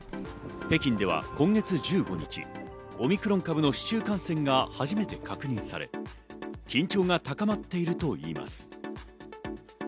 北京では今月１５日、オミクロン株の市中感染が初めて確認され、緊張が高まっているといいます。